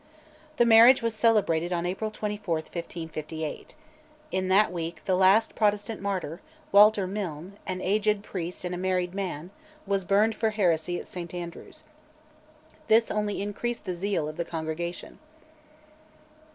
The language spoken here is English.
The marriage was celebrated on April 24, 1558. In that week the last Protestant martyr, Walter Milne, an aged priest and a married man, was burned for heresy at St Andrews. This only increased the zeal of the Congregation.